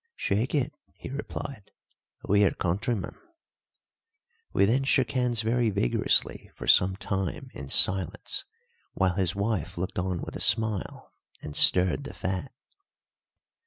"Shake it," he replied. "We are countrymen." We then shook hands very vigorously for some time in silence, while his wife looked on with a smile and stirred the fat.